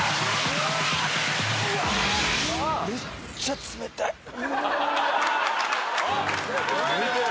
めっちゃ冷たいこれ。